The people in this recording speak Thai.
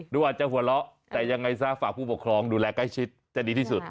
ดูอาจจะหัวเราะแต่ยังไงซะฝากผู้ปกครองดูแลใกล้ชิดจะดีที่สุด